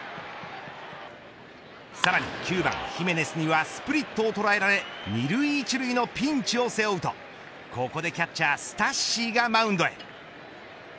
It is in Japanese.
さらに９番ヒメネスにはスプリットを捉えられ２塁１塁のピンチを背負うとここでキャッチャースタッシーがマウンドへ。